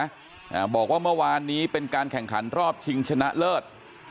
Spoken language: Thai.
อ่าบอกว่าเมื่อวานนี้เป็นการแข่งขันรอบชิงชนะเลิศ